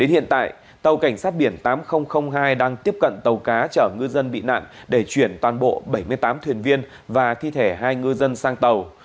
hiện tại tàu cảnh sát biển tám nghìn hai đang tiếp cận tàu cá chở ngư dân bị nạn để chuyển toàn bộ bảy mươi tám thuyền viên và thi thể hai ngư dân sang tàu